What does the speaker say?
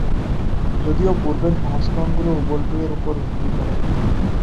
যদিও পূর্বের সংস্করণগুলো উবুন্টু এর উপর ভিত্তি করে।